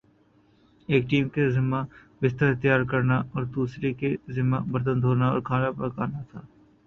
ایک ٹیم کے ذمہ بستر تیار کرنا اور دوسری کے ذمہ برتن دھونا اور کھانا پکانا تھا ۔